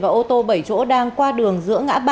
và ô tô bảy chỗ đang qua đường giữa ngã ba